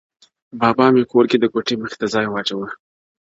بابا مي کور کي د کوټې مخي ته ځای واچاوه ..